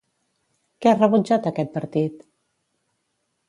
Què ha rebutjat aquest partit?